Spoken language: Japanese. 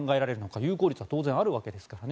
有効率は当然あるわけですからね。